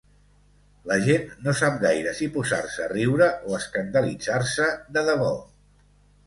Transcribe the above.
La gent no sap gaire si posar-se a riure o escandalitzar-se de debò.